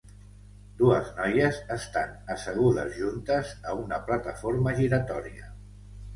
Dues noies estan assegudes juntes a una plataforma giratòria.